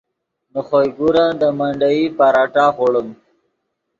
نے خوئے گورن دے منڈیئی پراٹھہ خوڑیم